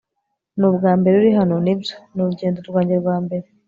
ni ubwambere uri hano? nibyo, ni urugendo rwanjye rwa mbere